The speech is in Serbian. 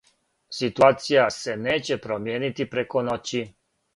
Ситуација се неће промијенити преко ноћи.